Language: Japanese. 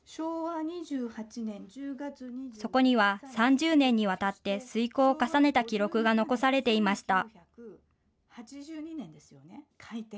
そこには３０年にわたって推こうを重ねた記録が残されていました。